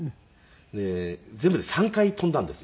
で全部で３回飛んだんですよ。